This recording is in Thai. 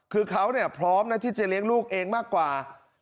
คือเขาพร้อมนะที่จะเลี้ยงลูกเองมากกว่า